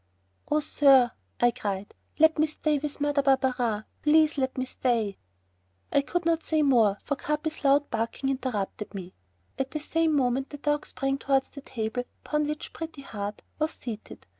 "Oh, sir," I cried, "let me stay with Mother Barberin, please let me stay." I could not say more, for Capi's loud barking interrupted me. At the same moment the dog sprang towards the table upon which Pretty Heart was seated.